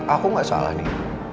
aku gak salah nih